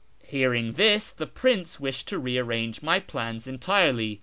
Hearing this, the prince wished to rearrange my plans entirely.